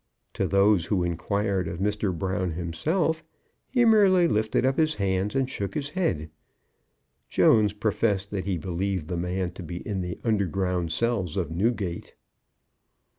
To those who inquired of Mr. Brown himself, he merely lifted up his hands and shook his head. Jones professed that he believed the man to be in the underground cells of Newgate.